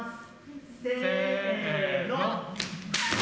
せの。